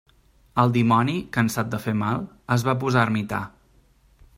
El dimoni, cansat de fer mal, es va posar ermità.